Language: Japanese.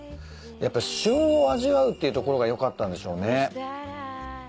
やっぱ旬を味わうっていうところが良かったんでしょうね。